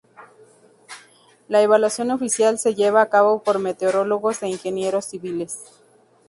La evaluación oficial se lleva a cabo por meteorólogos e ingenieros civiles.